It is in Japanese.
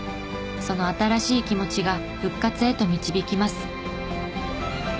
その新しい気持ちが復活へと導きます。